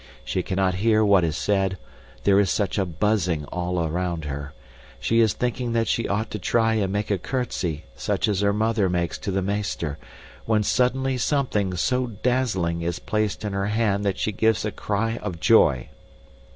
She cannot hear what is said, there is such a buzzing all around her. She is thinking that she ought to try and make a curtsy, such as her mother makes to the meester, when suddenly something so dazzling is placed in her hand that she gives a cry of joy.